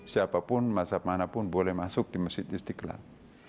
siapapun mazhab manapun boleh masuk di masjid istiqlal